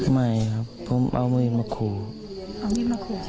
ไม่ครับผมเอามีดมาครีว